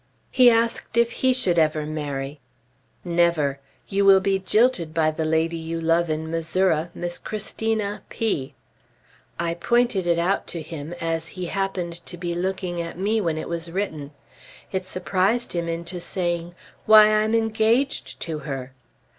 He asked if he should ever marry. "Never. You will be jilted by the lady you love in Missouri, Miss Christina P ." I pointed it out to him, as he happened to be looking at me when it was written. It surprised him into saying, "Why, I'm engaged to her!"